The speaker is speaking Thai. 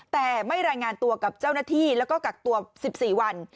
แต่ไม่รายงานตัวกับเจ้าหน้าที่แล้วก็กักตัว๑๔วัน